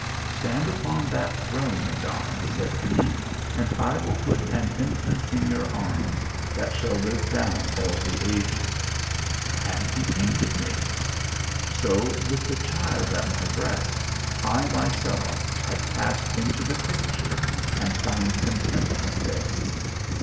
'Stand upon that throne, Madonna,' said he, 'and I will put an infant in your arms that shall live down all the ages.' And he painted me. So with the child at my breast, I myself had passed into the picture and found contentment there.